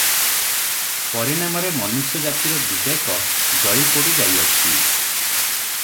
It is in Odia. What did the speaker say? ପରିଣାମରେ ମନୁଷ୍ୟଜାତିର ବିବେକ ଜଳିପୋଡ଼ି ଯାଇଅଛି ।